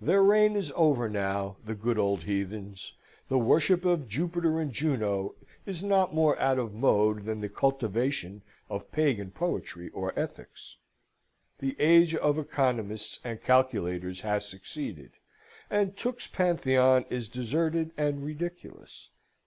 Their reign is over now, the good old Heathens: the worship of Jupiter and Juno is not more out of mode than the cultivation of Pagan poetry or ethics. The age of economists and calculators has succeeded, and Tooke's Pantheon is deserted and ridiculous.